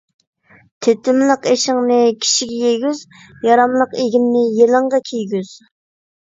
تېتىملىق ئېشىڭنى كىشىگە يېگۈز، ياراملىق ئىگىننى يېلىڭغا كىيگۈز.